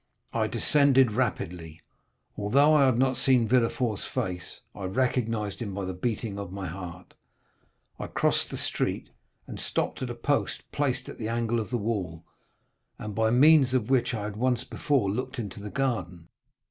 I descended rapidly; although I had not seen Villefort's face, I recognized him by the beating of my heart. I crossed the street, and stopped at a post placed at the angle of the wall, and by means of which I had once before looked into the garden.